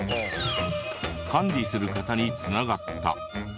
管理する方に繋がった。